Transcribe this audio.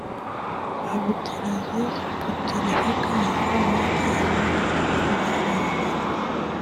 Abdelaziz Bouteflika wahawe iki gihembo ku mwanya wa mbere